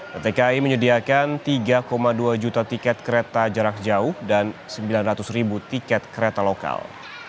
pt kai menyediakan tiga dua juta tiket kereta jarak jauh dan sembilan ratus ribu tiket kereta lokal